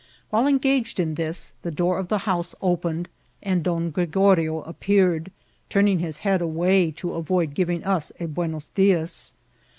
While engaged in this, the door of the house opened^ and Don Gregorio appeared, turning his head away to avoid giving us a buenos dios.